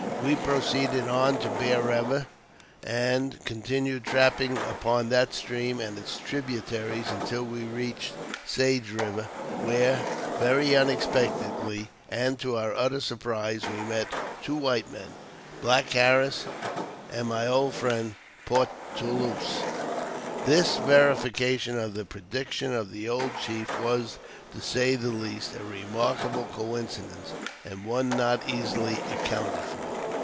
We proceeded on to Bear Eiver, and continued trapping upon that stream and its tributaries until we reached Sage Eiver, where, very un expectedly, and to our utter surprise, we met *' two white men," Black Harris and my old friend Portuleuse. This verification of the prediction of the old chief was, to say the least, a remarkable coincidence, and one not easily accounted for.